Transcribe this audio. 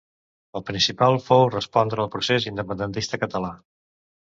El principal fou respondre al procés independentista català.